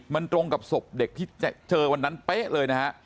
มันตรงกับศพเด็กที่เจอวันนั้นเป๊ะเลยนะฮะ